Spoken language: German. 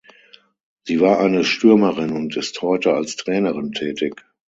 Sie war eine Stürmerin und ist heute als Trainerin tätig.